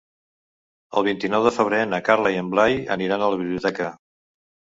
El vint-i-nou de febrer na Carla i en Blai aniran a la biblioteca.